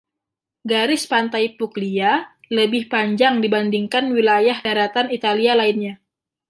Garis pantai Puglia lebih panjang dibandingkan wilayah daratan Italia lainnya.